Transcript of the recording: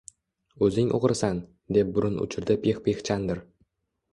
– O‘zing o‘g‘risan! – deb burun uchirdi Pixpix Chandr